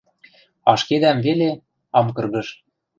Ашкедӓм веле — ам кыргыж.